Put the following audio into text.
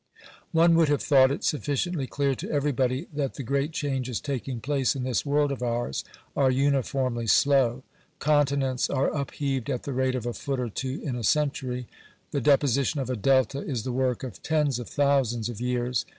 One would have thought it sufficiently clear to everybody that the great changes taking place in this world of ours are uniformly slow. Continents are upheaved at the rate of a foot or two in a century. The deposition of a delta is the work of tens of thousands of years.